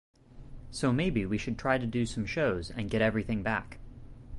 So maybe we should try to do some shows and get everything back.